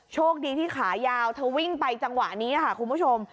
โชคดีที่ขายาวเธอวิ่งไปจังหวะนี้ค่ะคุณผู้ชม